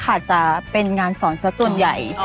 อาจจะเป็นงานสอนซะส่วนใหญ่